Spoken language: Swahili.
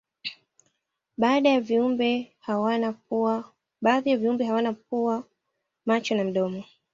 baadhi ya viumbe hawana pua macho na mdomo